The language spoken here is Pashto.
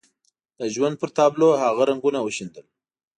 د ژوند پر تابلو هغه رنګونه وشيندل.